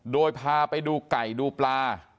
โดยพาไปดูไก่ดูปลา